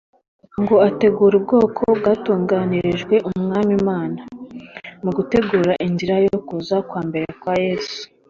, ngo ategure ubwoko bwatunganirijwe Umwami Imana.’’ Mu gutegura inzira yo kuza kwa mbere kwa Yesu,